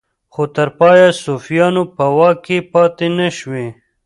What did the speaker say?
خو تر پایه صفویانو په واک کې پاتې نشوې.